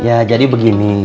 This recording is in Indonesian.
ya jadi begini